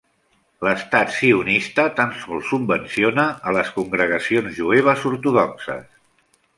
L'estat sionista tan sols subvenciona a les congregacions jueves ortodoxes.